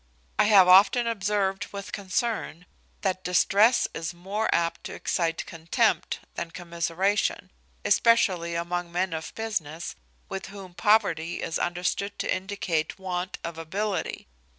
I have often observed with concern, that distress is more apt to excite contempt than commiseration, especially among men of business, with whom poverty is understood to indicate want of ability.